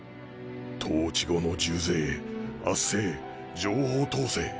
統治後の重税圧政情報統制